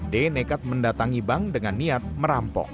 d nekat mendatangi bank dengan niat merampok